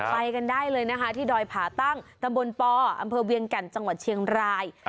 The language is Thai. ไปกันได้เลยนะคะที่ดอยผาตั้งตำบลปอำเภอเวียงแก่นจังหวัดเชียงราย